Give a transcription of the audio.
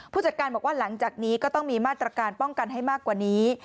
ผู้จัดการบอกว่าหลังจากนี้ก็ต้องมีมาตรการป้องกันให้มากกว่านี้